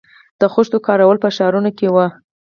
د خښتو کارول په ښارونو کې وو